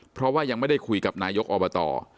เพราะว่ายังไม่ได้คุยกับนายกอบต